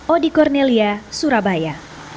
odi kornelia surabaya